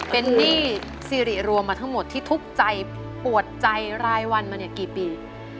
เป็นหนี้สิริรวมมาทั้งหมดที่ทุกข์ใจปวดใจรายวันมาเนี่ยกี่ปี